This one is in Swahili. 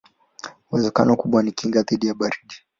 Uwezekano mkubwa ni kinga dhidi ya baridi.